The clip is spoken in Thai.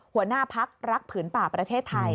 หัวหน้าพักรักผืนป่าประเทศไทย